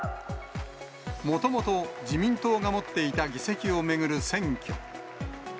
もともと、自民党が持っていた議席を巡る選挙。